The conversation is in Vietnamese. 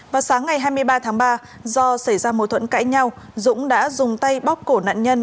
vào sáng ngày hai mươi ba tháng ba do xảy ra mối thuẫn cãi nhau dũng đã dùng tay bóc cổ nạn nhân